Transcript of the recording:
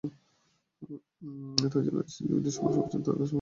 তাই যাঁরা এসিডিটির সমস্যায় ভুগছেন, তাঁরা চিকিৎসকের পরামর্শে নিয়মিত ওষুধ খান।